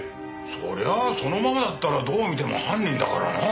そりゃあそのままだったらどう見ても犯人だからなあ。